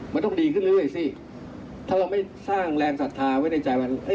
มันต้องดีขึ้นเรื่อยสิถ้าเราไม่สร้างแรงศรัทธาไว้ในใจมัน